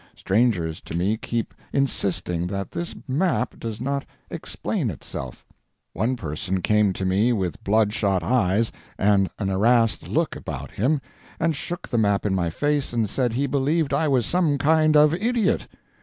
Strangers to me keep insisting that this map does not "explain itself." One person came to me with bloodshot eyes and an harassed look about him, and shook the map in my face and said he believed I was some new kind of idiot.